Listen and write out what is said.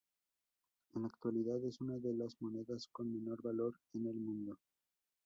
En la actualidad es una de las monedas con menor valor en el mundo.